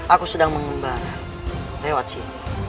aku sedang mengembara lewat sini